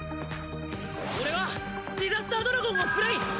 俺はディザスタードラゴンをプレイ！